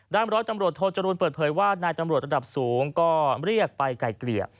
ร้อยตำรวจโทจรูลเปิดเผยว่านายตำรวจระดับสูงก็เรียกไปไกลเกลี่ย